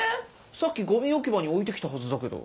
さっきゴミ置き場に置いてきたはずだけど。